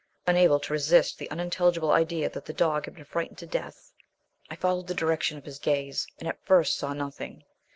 Unable to resist the unintelligible idea that the dog had been frightened to death, I followed the direction of his last gaze, and at first saw nothing.